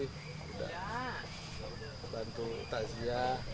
udah bantu tazia